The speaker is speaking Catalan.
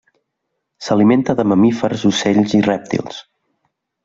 S'alimenta de mamífers, ocells i rèptils.